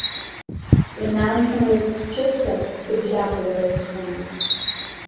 Ианаамҭамыз дцәырҵыр, дыбжьаԥалар лҭахымызт.